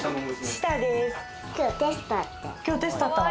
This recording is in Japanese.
今日テストあったの？